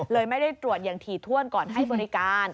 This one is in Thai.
ไม่ได้ตรวจอย่างถี่ถ้วนก่อนให้บริการ